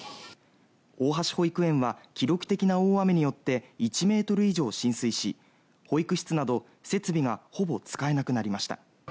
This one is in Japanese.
大橋保育園は記録的な大雨によって１ｍ以上浸水し保育室など設備がほぼ使えなくなりました。